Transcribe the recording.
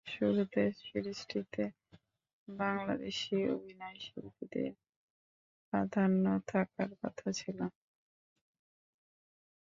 শুরুতে সিরিজটিতে বাংলাদেশি অভিনয়শিল্পীদের প্রাধান্য থাকার কথা ছিল।